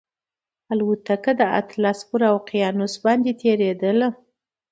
الوتکه د اطلس پر اقیانوس باندې تېرېدله